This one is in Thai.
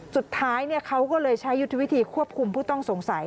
สุดท้ายเขาก็เลยใช้ยุทธวิธีควบคุมผู้ต้องสงสัย